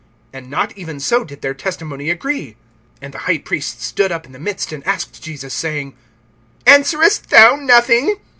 (59)And not even so did their testimony agree. (60)And the high priest stood up in the midst, and asked Jesus, saying: Answerest thou nothing?